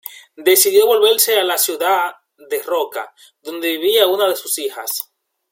Decidió volverse a la ciudad de Roca, donde vivía una de sus hijas.